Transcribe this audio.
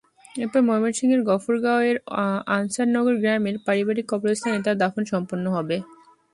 এরপর ময়মনসিংহের গফরগাঁওয়ের আনছার নগর গ্রামের পারিবারিক কবরস্থানে তাঁর দাফন সম্পন্ন হবে।